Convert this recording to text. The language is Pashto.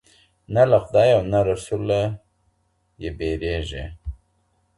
نه له خدای او نه رسوله یې بېرېږې